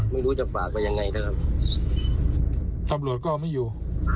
ไม่รู้จะฝากไปยังไงนะครับตำรวจก็ไม่อยู่